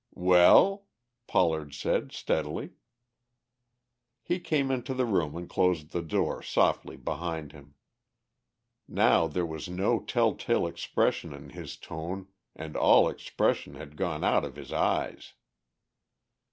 "Well?" Pollard said steadily. He came into the room and closed the door softly behind him. Now there was no tell tale expression in his tone and all expression had gone out of his eyes.